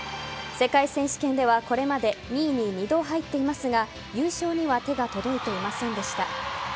世界選手権ではこれまで２位に２度入っていますが優勝には手が届いていませんでした。